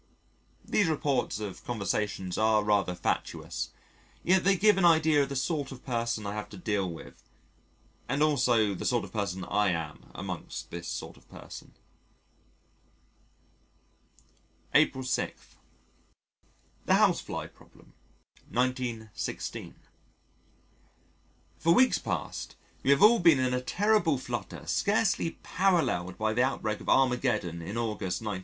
(These reports of conversations are rather fatuous: yet they give an idea of the sort of person I have to deal with, and also the sort of person I am among this sort of person.) April 6. The Housefly Problem 1916 For weeks past we have all been in a terrible flutter scarcely paralleled by the outbreak of Armageddon in August, 1914.